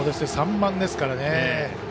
３番ですからね。